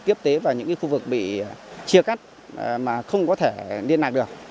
kiếp tế và những khu vực bị chia cắt mà không có thể liên lạc được